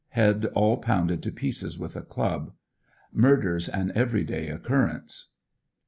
Head all pounded to pieces with a club. Murders an every day occurrence.